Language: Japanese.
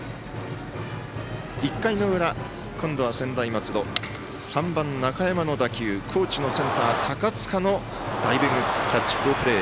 １回の裏、今度は専大松戸３番、中山の打球高知のセンター、高塚のダイビングキャッチ、好プレー。